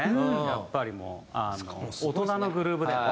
やっぱりもう大人のグルーヴだよね。